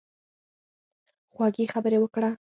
خوږې خبرې وکړه.